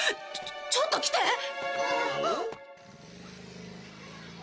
ちょちょっと来て！